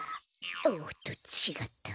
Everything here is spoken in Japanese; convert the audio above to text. おっとちがった。